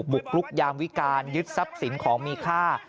บุกรุกยามวิการยึดทรัพย์สินของมีค่า